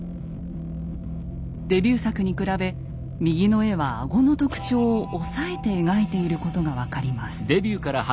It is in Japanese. デビュー作に比べ右の絵は顎の特徴を抑えて描いていることが分かります。